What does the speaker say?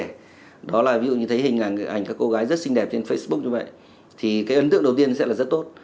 chúng ta có thể thấy hình ảnh các cô gái rất xinh đẹp trên facebook như vậy thì cái ấn tượng đầu tiên sẽ là rất tốt